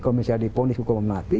kalau misalnya diponis hukuman mati